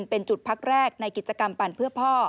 แทบที่วางคักแรกในกิจกรรมปั่นเพื่อพ่อ